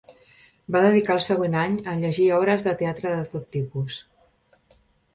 Va dedicar el següent any a llegir obres de teatre de tot tipus.